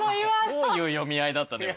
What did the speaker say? どういう読み合いだったの？